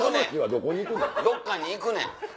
どっかに行くねん。